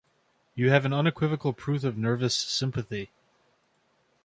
You have an unequivocal proof of nervous sympathy.